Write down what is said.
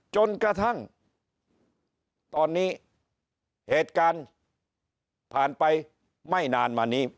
จนกระทั่งตอนนี้เหตุการณ์ผ่านไปไม่นานมานี้